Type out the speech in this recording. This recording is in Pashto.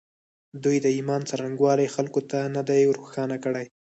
دوی د ایمان څرنګوالی خلکو ته نه دی روښانه کړی